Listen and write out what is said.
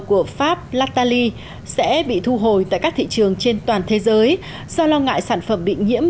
của pháp lataly sẽ bị thu hồi tại các thị trường trên toàn thế giới do lo ngại sản phẩm bị nhiễm